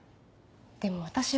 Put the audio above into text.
でも私は。